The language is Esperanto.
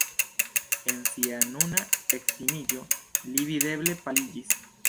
En sia nuna ektimiĝo li videble paliĝis.